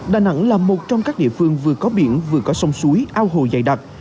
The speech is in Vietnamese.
đà nẵng là một trong các địa phương vừa có biển vừa có sông suối ao hồ dày đặc